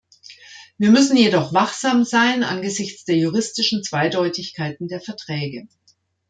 Wir müssen jedoch wachsam sein angesichts der juristischen Zweideutigkeiten der Verträge.